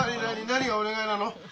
何が「お願い」なの？